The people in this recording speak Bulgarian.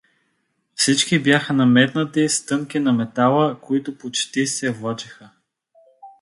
Всички бяха наметнати с тънки наметала, които почти се влачеха.